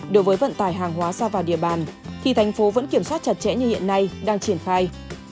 đối với vận tải hàng hóa xa vào địa bàn thì thành phố vẫn kiểm soát chặt chẽ như hiện nay đang triển khai